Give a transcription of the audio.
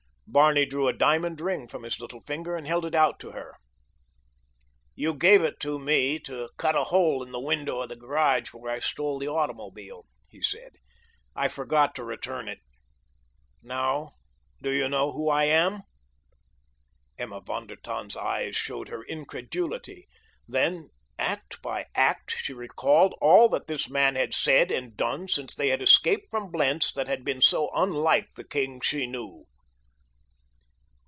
Barney drew a diamond ring from his little finger and held it out to her. "You gave it to me to cut a hole in the window of the garage where I stole the automobile," he said. "I forgot to return it. Now do you know who I am?" Emma von der Tann's eyes showed her incredulity; then, act by act, she recalled all that this man had said and done since they had escaped from Blentz that had been so unlike the king she knew.